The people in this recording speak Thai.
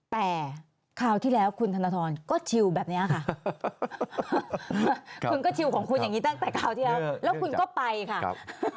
แต่คราวที่แล้วคุณธนทรก็ชิวแบบนี้ค่ะคุณก็ชิวของคุณอย่างนี้ตั้งแต่คราวที่แล้วแล้วคุณก็ไปค่ะ